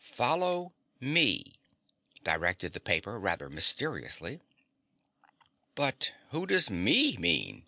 "Follow me." directed the paper rather mysteriously. "But who does 'me' mean?"